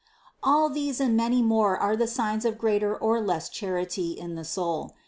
530. All these and many more are the signs of greater or less charity in the soul.